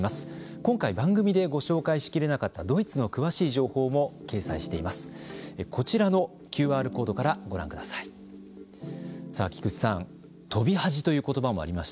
今回番組でご紹介しきれなかったドイツの詳しい情報も掲載しています。